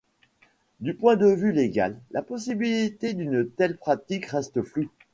Du point de vue légal, la possibilité d'une telle pratique reste floue.